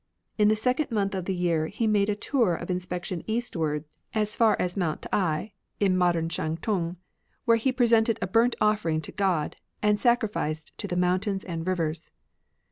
... In the second month of the year, he made a tour of inspection eastwards, as far as Mount T'ai (in 9 RELIGIONS OF ANCIENT CHINA modem Shantung), where he presented a burnt offering to God, and sacrificed to the Mountains and Rivers."